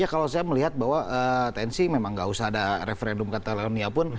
ya kalau saya melihat bahwa tensi memang nggak usah ada referendum catalonia pun